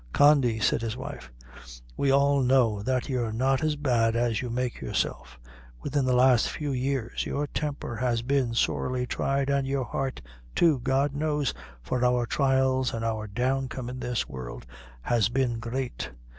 "Condy," said his wife, "we all know that you're not as bad as you make yourself. Within the last few years your temper has been sorely tried, and your heart too, God knows; for our trials and our downcome in this world has been great.